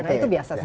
itu biasa saja